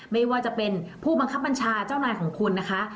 ไม่ว่าจะเป็นผู้บังคับบัญชาเจ้านายของคุณนะคะ